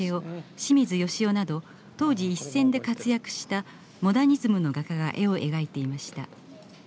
清水良雄など当時一線で活躍したモダニズムの画家が絵を描いていました。